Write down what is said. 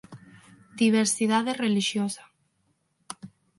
Diversidade Relixiosa.